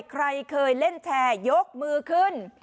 ใครเคยเล่นแชร์ยกมือขึ้น